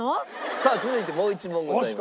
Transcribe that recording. さあ続いてもう１問ございます。